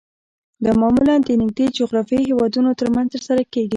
دا معمولاً د نږدې جغرافیایي هیوادونو ترمنځ ترسره کیږي